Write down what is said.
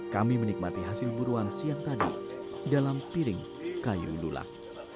kami menikmati hasil buruan siang tadi dalam piring kayu lulak